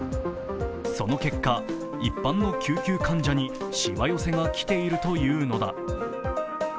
その結果、一般の救急患者にしわ寄せが来ているというのだ。